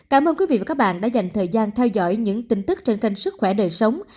cảm ơn quý vị và các bạn đã dành thời gian theo dõi những tin tức trên kênh sức khỏe đời sống